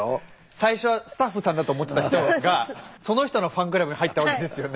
最初はスタッフさんだと思ってた人がその人のファンクラブに入ったわけですよね。